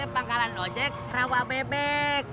pangkalan ojek rawa bebek